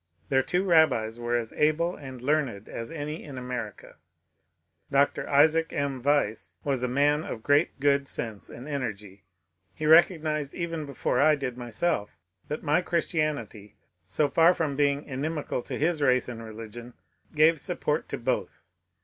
Their two rabbis were as able and learned as any in America. Dr. Isaac M. Wise was a man of great good sense and energy. He recognized even before I did myself that my Christianity, so far from being inimical to his race and religion, gave support to both.